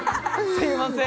すいません